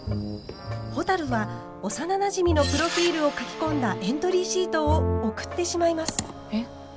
ほたるは幼なじみのプロフィールを書き込んだエントリーシートを送ってしまいます。